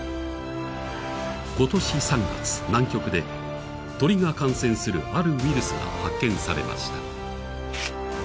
今年３月、南極で鳥が感染するあるウイルスが発見されました。